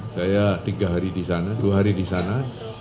saya tiga hari di sana dua hari di sana